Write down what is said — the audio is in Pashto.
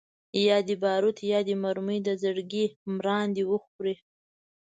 یا دي باروت یا دي مرمۍ د زړګي مراندي وخوري